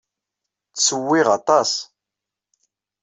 Ttswiɣ aṭṭaṣ